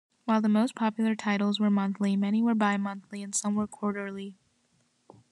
While the most popular titles were monthly, many were bimonthly and some were quarterly.